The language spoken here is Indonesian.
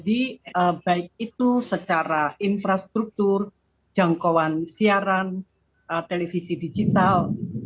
baik itu secara infrastruktur jangkauan siaran televisi digital